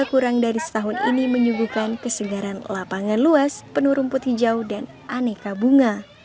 kurang dari setahun ini menyuguhkan kesegaran lapangan luas penuh rumput hijau dan aneka bunga